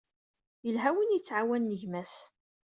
Yelha win yettɛawanen gma-s.